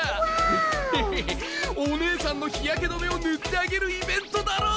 ヘヘヘお姉さんの日焼け止めを塗ってあげるイベントだろ！